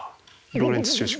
ローレンツ収縮。